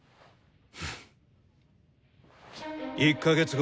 １か月後